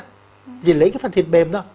thì lấy cái phần thịt bềm ra